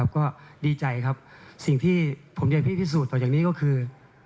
ก็ดีใจครับสิ่งที่ผมยังพี่พิสูจน์ต่อจากนี้ก็คือ